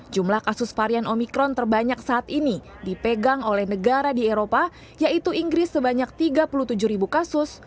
jumlah kasus varian omikron terbanyak saat ini dipegang oleh negara di eropa yaitu inggris sebanyak tiga puluh tujuh ribu kasus